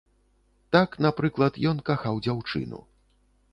Так, напрыклад, ён кахаў дзяўчыну.